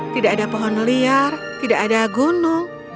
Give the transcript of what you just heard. tidak ada pohon liar tidak ada gunung